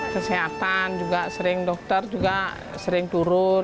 kesehatan juga sering dokter juga sering turun